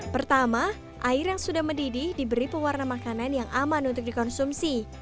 pertama air yang sudah mendidih diberi pewarna makanan yang aman untuk dikonsumsi